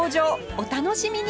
お楽しみに！